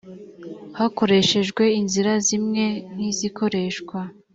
hakoreshejwe inzira zimwe nk izikoreshwa